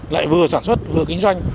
lại vừa sản xuất vừa kinh doanh